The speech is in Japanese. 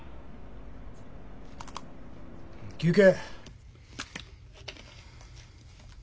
休憩。